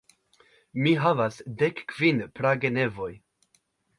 Mi havas dekkvin pragenevoj.